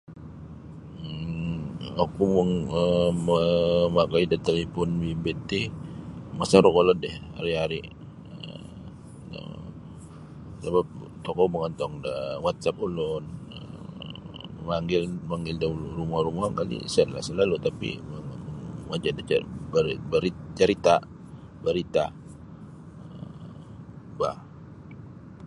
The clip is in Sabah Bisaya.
um oku um mo mamakai da talipon bimbit ti masaruk kolod ih ari-ari' um sabap tokou mongontong da whatsapp ulun um mamanggil mamanggil da rumo-rumo kali' sa' lah salalu' tapi' maja da carita' barita bah